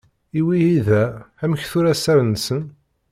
I wihida amek tura sser-nsen.